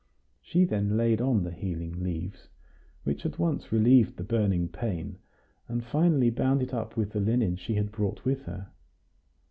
She then laid on the healing leaves, which at once relieved the burning pain, and finally bound it up with the linen she had brought with her.